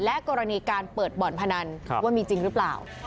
กรณีการเปิดบ่อนพนันว่ามีจริงหรือเปล่า